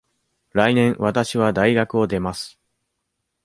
来年わたしは大学を出ます。